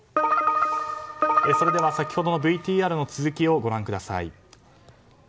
それでは先ほどのＶＴＲの続きをご覧ください。